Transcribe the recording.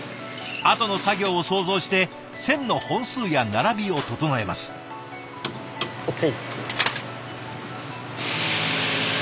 あとの作業を想像して線の本数や並びを整えます。ＯＫ！